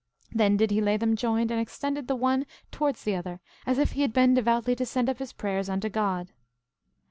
Then did he lay them joined, and extended the one towards the other, as if he had been devoutly to send up his prayers unto God.